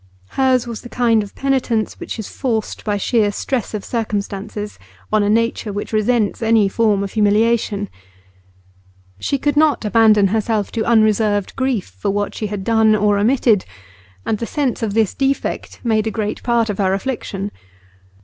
Hers was the kind of penitence which is forced by sheer stress of circumstances on a nature which resents any form of humiliation; she could not abandon herself to unreserved grief for what she had done or omitted, and the sense of this defect made a great part of her affliction.